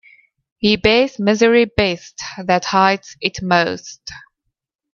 He bears misery best that hides it most.